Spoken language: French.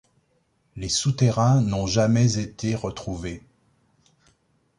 Les souterrains n'ont jamais été retrouvés.